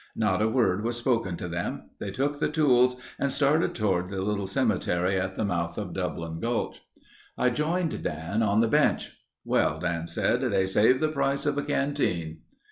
Not a word was spoken to them. They took the tools and started toward the little cemetery at the mouth of Dublin Gulch. I joined Dan on the bench. "Well," Dan said, "they saved the price of a canteen."